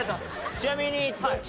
ちなみにどっち？